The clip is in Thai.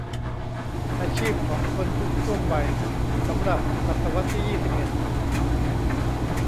อาชีพของคนทุกช่วงวัยสำหรับศตวรรษที่ยี่สิบเอ็ด